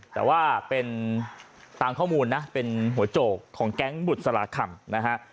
แต่ว่าเป็นตามข้อมูลนะเป็นหัวโจกของแก๊งบุษราคำนะฮะ